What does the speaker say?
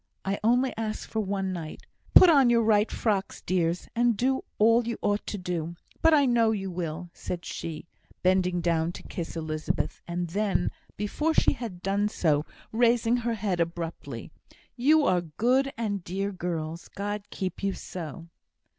I only ask for one night. Put on your right frocks, dears, and do all you ought to do. But I know you will," said she, bending down to kiss Elizabeth, and then, before she had done so, raising her head abruptly. "You are good and dear girls God keep you so!"